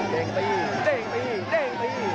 เด้งตีเด้งตีเด้งตี